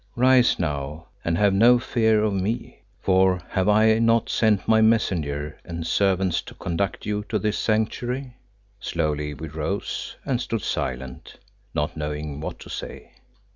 Rise now and have no fear of me; for have I not sent my Messenger and servants to conduct you to this Sanctuary?" Slowly we rose, and stood silent, not knowing what to say.